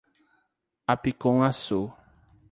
Apicum-Açu